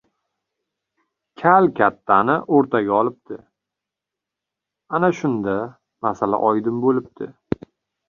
Kal kattani o‘rtaga olibdi. Ana shunda masala oydin bo‘libdi.